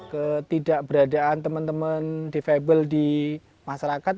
ketidakberadaan teman teman defable di masyarakat